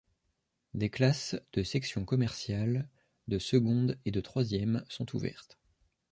Des classes de sections commerciales, de seconde et de troisième sont ouvertes.